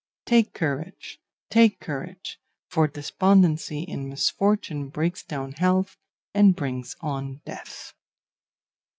Take courage! take courage! for despondency in misfortune breaks down health and brings on death.